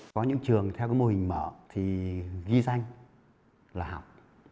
có những trường theo cái mô hình mở thì ghi danh là học